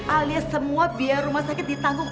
alias semua biaya rumah sakit ditanggung